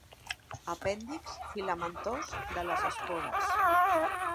Apèndix filamentós de les espores.